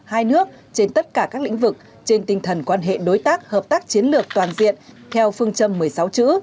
hai nước trên tất cả các lĩnh vực trên tinh thần quan hệ đối tác hợp tác chiến lược toàn diện theo phương châm một mươi sáu chữ